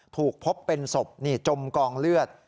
ถูกพบเป็นศพนี่จมกองเลือด